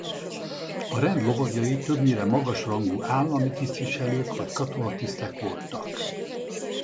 A rend lovagjai többnyire magas rangú állami tisztviselők vagy katonatisztek voltak.